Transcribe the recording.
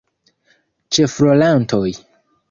Ĉefrolantoj.